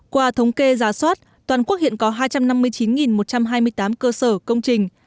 qua thống kê giá soát toàn quốc hiện có hai trăm năm mươi chín một trăm hai mươi tám cơ sở công trình